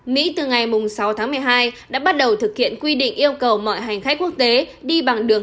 mỹ từ ngày sáu tháng một mươi hai đã bắt đầu thực hiện quy định yêu cầu mọi hành khách quốc tế đi bằng đường